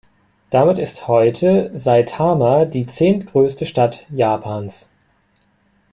Damit ist heute Saitama die zehntgrößte Stadt Japans.